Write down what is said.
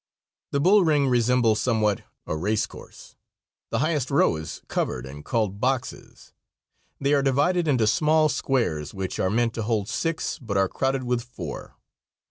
The bull ring resembles somewhat a racecourse; the highest row is covered and called boxes. They are divided into small squares, which are meant to hold six but are crowded with four.